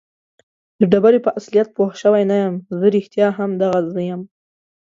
د ډبرې په اصلیت پوه شوی نه یم. زه رښتیا هم دغه زه یم؟